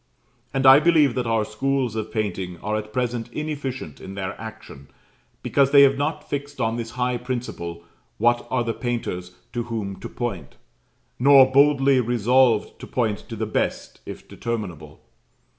And I believe that our schools of painting are at present inefficient in their action, because they have not fixed on this high principle what are the painters to whom to point; nor boldly resolved to point to the best, if determinable.